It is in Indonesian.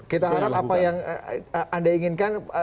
kita harap apa yang anda inginkan